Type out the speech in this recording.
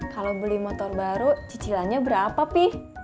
kalau beli motor baru cicilannya berapa pi